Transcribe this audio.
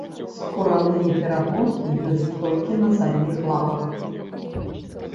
Скураныя перапонкі ёсць толькі на задніх лапах.